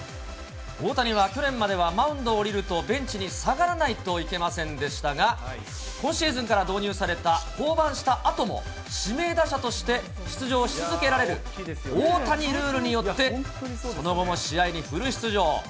大谷は去年まではマウンドを降りるとベンチに下がらないといけませんでしたが、今シーズンから導入された、降板したあとに指名打者として出場し続けられる、大谷ルールによって、その後も試合にフル出場。